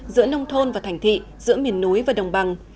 giữa nông thôn và thành thị giữa miền núi và đồng bằng